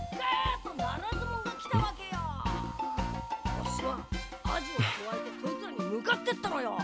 あっしはアジをくわえてそいつらに向かってったのよ。